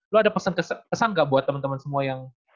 lu ada pesan kesan gak buat temen temen semua yang